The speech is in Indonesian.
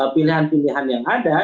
pilihan pilihan yang ada